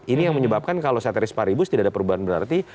ini yang menyebabkan kalau saya teris paribus tidak ada perubahan berarti